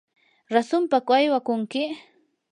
¿rasunpaku aywakunki?